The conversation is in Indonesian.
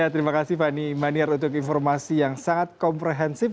terima kasih fani maniar untuk informasi yang sangat komprehensif